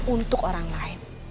untuk orang lain